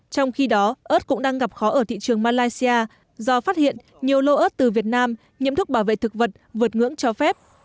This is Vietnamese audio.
trong khi đó ớt cũng đang gặp khó ở thị trường malaysia do phát hiện nhiều lô ớt từ việt nam nhiễm thức bảo vệ thực vật vượt ngưỡng cho phép